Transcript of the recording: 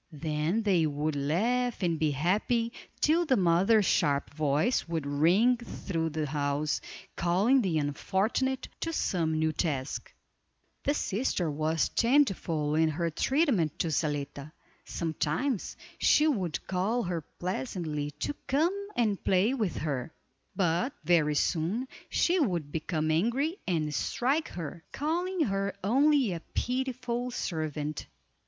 Then they would laugh and be happy, till the mother's sharp voice would ring through the house, calling the unfortunate to some new task. The sister was changeful in her treatment to Zaletta. Sometimes she would call her pleasantly to come and play with her, but very soon she would become angry and strike her, calling her "only a pitiful servant."